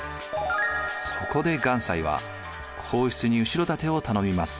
そこで願西は皇室に後ろ盾を頼みます。